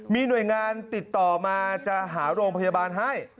มีหน่วยงานติดต่อมาจะหาโรงพยาบาลให้